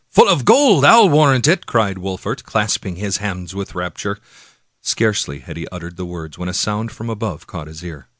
"Full of gold, I'll warrant it!" cried Wolfert, clasping his hands with rapture. Scarcely had he uttered the words when a sound from above caught his ear.